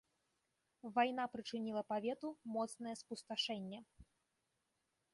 Вайна прычыніла павету моцнае спусташэнне.